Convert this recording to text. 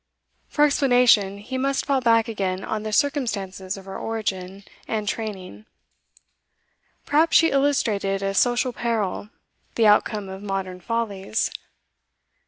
For explanation, he must fall back again on the circumstances of her origin and training. Perhaps she illustrated a social peril, the outcome of modern follies.